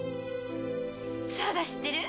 そうだ知ってる？